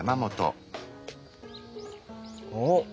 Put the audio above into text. おっ！